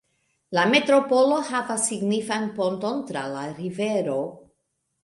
La metropolo havas signifan ponton tra la rivero.